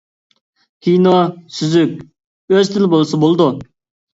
كىنو سۈزۈك، ئۆز تىل بولسا بولىدۇ.